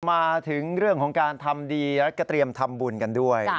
มาถึงเรื่องของการทำดีแล้วก็เตรียมทำบุญกันด้วย